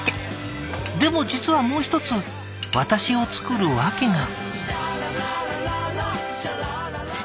でも実はもう一つ私を作る訳が。